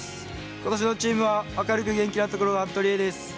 今年のチームは明るく元気なところがとりえです。